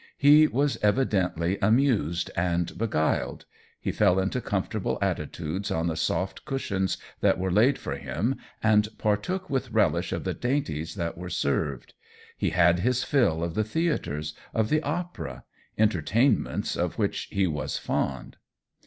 He was evidently amused and beguiled ; he fell into comfortable attitudes on the soft cushions that were laid for him and partook with relish of the dainties that were served j he had his fill of the theatres, of the opera — entertainments of which he was fond.